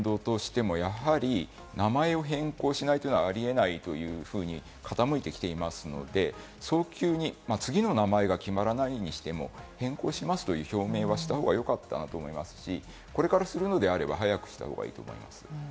世の中のトレンドとしても、名前を変更しないというのは、あり得ないというふうに傾いてきていますので、早急に次の名前が決まらないとしても、変更しますという表明をした方が良かったと思いますし、これからするのであれば早くした方がいいと思います。